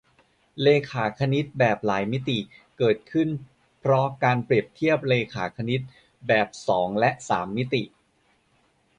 เรขาคณิตแบบหลายมิติ เกิดขึ้นเพราะการเปรียบเทียบเรขาคณิตแบบสองและสามมิติ